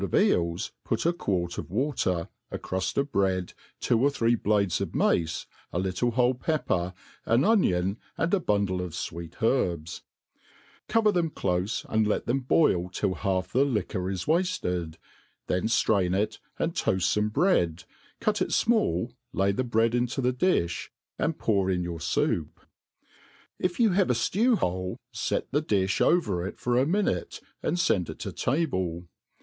of eels put a quart of water, a cruft of bread, two or three blades of mace, a little whole pepper, an onion, and a bundle of fweet herbs ; cover thetn clofe, and let tbem borl^ till half the liquor is wafted ; then ftrain it, and toaft fome bread, cut it fmall, lay the bread into the diih, and pour in your foup* If you have a ftew hole, fet the difh over it for a minute, and fend it to table.